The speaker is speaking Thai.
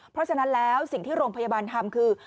เพราะฉะนั้นแล้วสิ่งที่โรงพยาบาลทำคือ